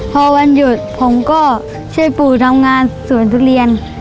พอวันหยุดผมก็ช่วยปู่ทำงานสวนทุเรียน